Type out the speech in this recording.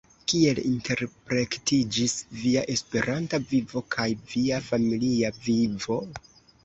Kiel interplektiĝis via Esperanta vivo kaj via familia vivo?